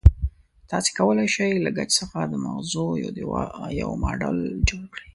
تاسې کولای شئ له ګچ څخه د مغزو یو ماډل جوړ کړئ.